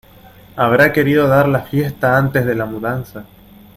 Habrá querido dar la fiesta antes de la mudanza.